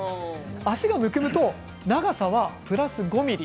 足がむくむと長さはプラス５ｍｍ。